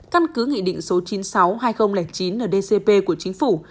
căn cứ nghị định số chín mươi sáu hai nghìn chín ở dcp của chính phủ